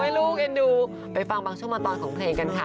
ลูกเอ็นดูไปฟังบางช่วงบางตอนของเพลงกันค่ะ